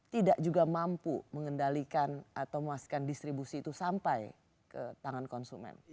tidak juga mampu mengendalikan atau memastikan distribusi itu sampai ke tangan konsumen